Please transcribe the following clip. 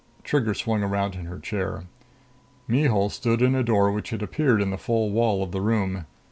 Trigger swung around in her chair. Mihul stood in a door which had appeared in the full wall of the room.